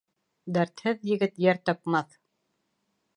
Дәртһеҙ егет йәр тапмаҫ.